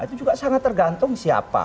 itu juga sangat tergantung siapa